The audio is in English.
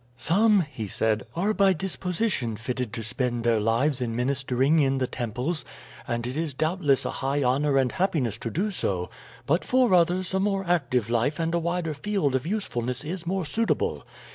"'Some,' he said, 'are by disposition fitted to spend their lives in ministering in the temples, and it is doubtless a high honor and happiness to do so; but for others a more active life and a wider field of usefulness is more suitable.